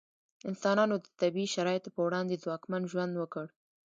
انسانانو د طبیعي شرایطو په وړاندې ځواکمن ژوند وکړ.